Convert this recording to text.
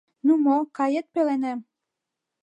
Ну мо, кает пеленем?